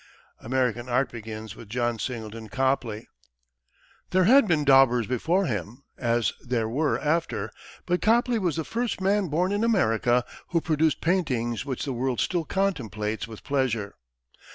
American art begins with John Singleton Copley. There had been daubers before him, as there were after, but Copley was the first man born in America who produced paintings which the world still contemplates with pleasure.